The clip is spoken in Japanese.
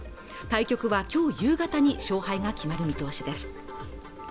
対局はきょう夕方に勝敗が決まる見通しです